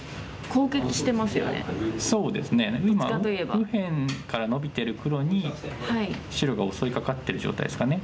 右辺からのびてる黒に白が襲いかかってる状態ですかね。